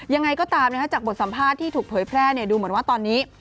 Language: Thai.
ยังไงก็ตามจากบทสัมภาษณ์ที่ถูกเผยแพร่ดูเหมือนว่าตอนนี้